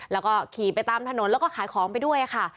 แล้วก็ขี่ไปตามถนนแล้วก็ขายของไปด้วยค่ะ